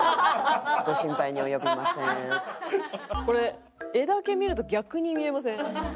これ絵だけ見ると逆に見えません？